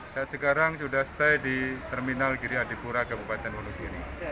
saat sekarang sudah stay di terminal giri adipura kabupaten wonogiri